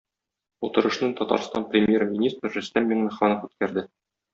Утырышны Татарстан Премьер-министры Рөстәм Миңнеханов үткәрде.